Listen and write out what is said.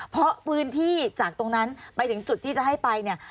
เพราะพื้นที่จากตรงนั้นไปถึงจุดที่จะให้ไปเนี่ย